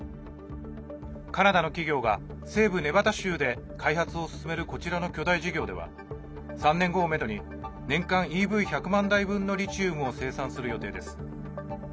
カナダの企業が西部ネバダ州で開発を進めるこちらの巨大事業では３年後をめどに年間ＥＶ１００万台分のリチウムを生産する予定です。